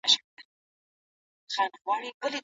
پاکستاني سوالګر له اذربایجان څخه په بې عزتۍ وشړل شول.